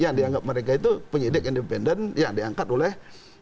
yang dianggap mereka itu penyidik independen yang diangkat oleh